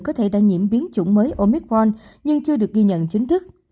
có thể đã nhiễm biến chủng mới omicron nhưng chưa được ghi nhận chính thức